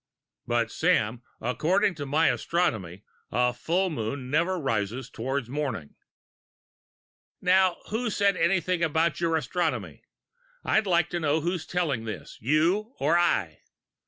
"But, Sam, according to my astronomy a full moon never rises towards morning." "Now, who said anything about your astronomy? I'd like to know who is telling this you or I?